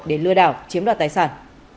để lừa đảo chiếm đoạt tài sản